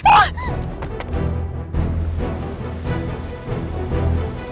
tuh ya ampun